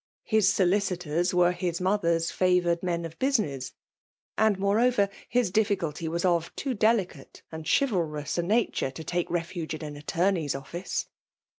His solicitors were his mother s iaTmired men ci business ; and, moreover, fan dificulty was of too delicate and chivalrous a natore to talce refuge in an attorney's office.